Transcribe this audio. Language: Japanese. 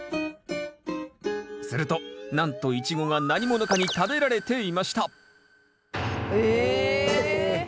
するとなんとイチゴが何者かに食べられていました！え！